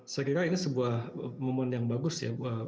saya kira ini sebuah momen yang bagus ya